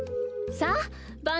さあばん